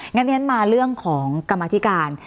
งั้นที่ฉันมาเรื่องของกรรมธิการ